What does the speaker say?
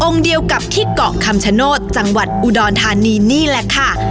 เดียวกับที่เกาะคำชโนธจังหวัดอุดรธานีนี่แหละค่ะ